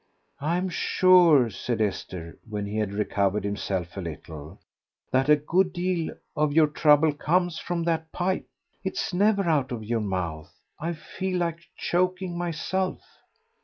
"I'm sure," said Esther, when he had recovered himself a little, "that a good deal of your trouble comes from that pipe. It's never out of your mouth.... I feel like choking myself."